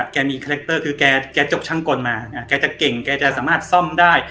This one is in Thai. แกมีคาแรคเตอร์คือแกจบช่างกลมาแกจะเก่งแกจะสามารถซ่อมได้